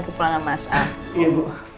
ke pulangan masa iya bu